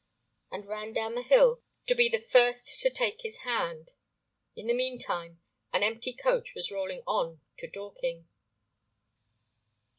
and ran down the hill to be the first to take his hand. In the meantime an empty coach was rolling on to Dorking.